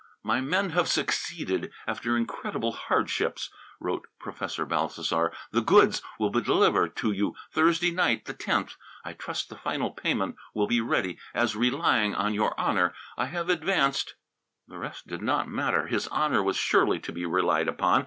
"My men have succeeded, after incredible hardships," wrote Professor Balthasar. "The goods will be delivered to you Thursday night, the tenth. I trust the final payment will be ready, as, relying on your honour, I have advanced " The rest did not matter. His honour was surely to be relied upon.